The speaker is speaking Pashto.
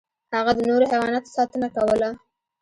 هغه د نورو حیواناتو ساتنه کوله.